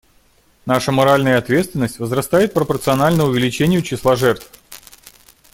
Наша моральная ответственность возрастает пропорционально увеличению числа жертв.